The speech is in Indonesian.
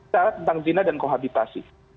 tentang zina dan kohabitasi